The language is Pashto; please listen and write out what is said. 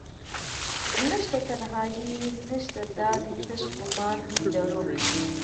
نشته تنهایې نشته دادي تش ګمان دروح